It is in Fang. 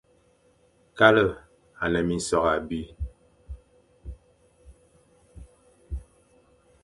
Kal e a ne minsokh abî,